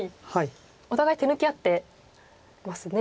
お互い手抜き合ってますね。